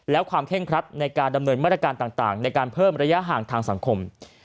และความเคร่งครัดในการดำเนินมาตรการต่างในการเพิ่มระยะห่างทางสังคม